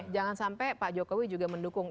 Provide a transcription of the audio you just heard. jangan sampai pak jokowi juga mendukung